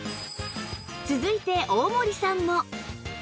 続いて大森さんも